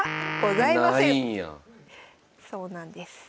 そうなんです。